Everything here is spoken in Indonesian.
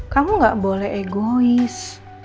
kamu gak boleh egois